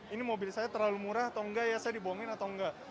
ini mobil saya terlalu murah atau nggak ya saya dibuangin atau nggak